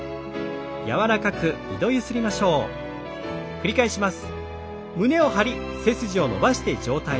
繰り返します。